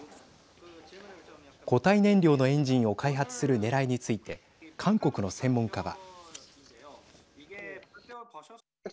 固体燃料のエンジンを開発するねらいについて韓国の専門家は。